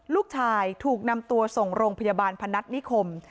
ลูกชายถูกนำตัวส่งโรงพยาบาลพนัฐนิคม